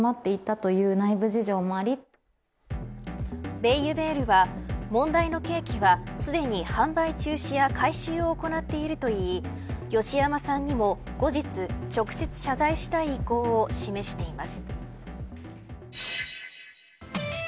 ベイユヴェールは問題のケーキはすでに販売中止や回収を行っているといい義山さんにも後日直接、謝罪したい意向を示しています。